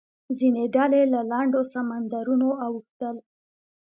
ځینې ډلې له لنډو سمندرونو اوښتل.